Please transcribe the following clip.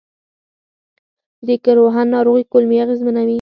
د کروهن ناروغي کولمې اغېزمنوي.